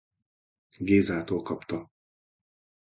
Gézától kapta.